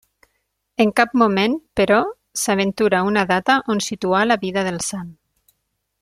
En cap moment, però, s'aventura una data on situar la vida del sant.